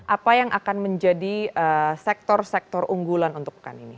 apa yang akan menjadi sektor sektor unggulan untuk pekan ini